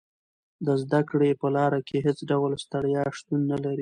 د زده کړې په لار کې هېڅ ډول ستړیا شتون نه لري.